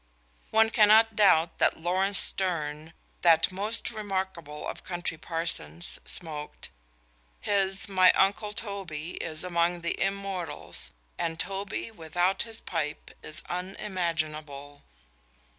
One cannot doubt that Laurence Sterne, that most remarkable of country parsons, smoked. His "My Uncle Toby" is among the immortals, and Toby without his pipe is unimaginable.